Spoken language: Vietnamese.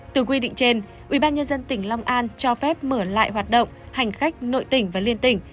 từ quy định trên ubnd tỉnh long an cho phép mở lại hoạt động hành khách nội tỉnh và liên tỉnh